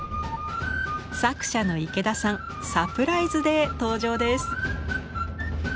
作者の池田さんサプライズで登場です！